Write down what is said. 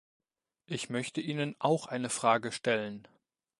Ich möchte Ihnen auch eine Frage stellen.